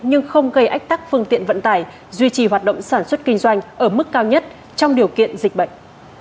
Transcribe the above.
nhưng không gây ách tắc phương tiện vận tải duy trì hoạt động sản xuất kinh doanh ở mức cao nhất trong điều kiện dịch bệnh